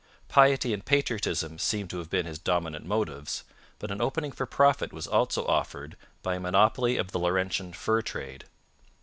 Piety and patriotism seem to have been his dominant motives, but an opening for profit was also offered by a monopoly of the Laurentian fur trade.